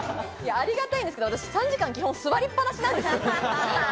ありがたいんですけど３時間基本座りっ放しなんです。